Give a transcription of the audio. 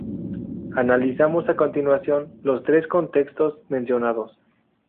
Analizamos a continuación los tres contextos mencionados.